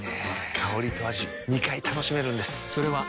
香りと味２回楽しめるんです。